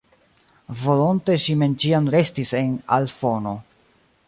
Volonte ŝi mem ĉiam restis en al fono.